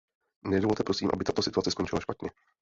Nedovolte prosím, aby tato situace skončila špatně.